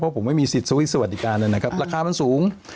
เพราะผมไม่มีสิทธิ์สวัสดิการอันนั้นครับราคามันสูง